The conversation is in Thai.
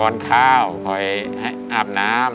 ข้าวคอยให้อาบน้ำ